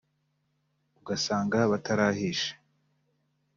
ugasanga batarahisha